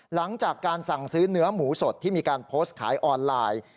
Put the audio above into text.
หลังจากการสั่งซื้อเนื้อหมูสดที่มีการโพสต์ขายออนไลน์